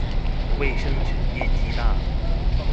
衛生紙面積大